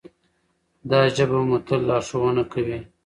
دا ژبه به مو تل لارښوونه کوي.